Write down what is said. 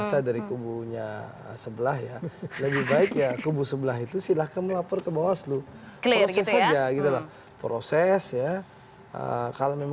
saya rasa daripada kita mencari yang lainnya yaitu